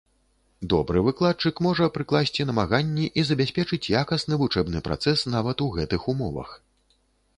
Добры выкладчык можа прыкласці намаганні і забяспечыць якасны вучэбны працэс нават у гэтых умовах.